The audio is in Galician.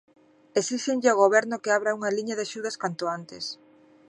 Esíxenlle ao Goberno que abra unha liña de axudas canto antes.